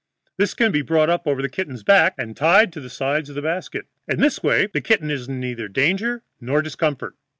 This can be brought up over the kitten's back and tied to the sides of the basket. In this way the kitten is in neither danger nor discomfort.